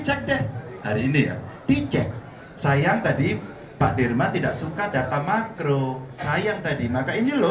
cek deh hari ini ya dicek sayang tadi pak dirma tidak suka data makro sayang tadi maka ini loh